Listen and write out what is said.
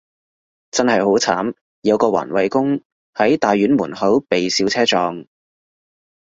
真係好慘，有個環衛工，喺大院門口被小車撞